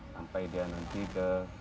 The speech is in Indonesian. sampai dia nanti ke